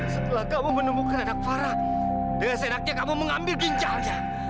setelah kamu menemukan adak farah dengan seenaknya kamu mengambil ginjalnya